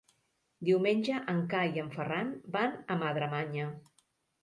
Diumenge en Cai i en Ferran van a Madremanya.